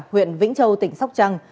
huyện vĩnh châu tỉnh sóc trăng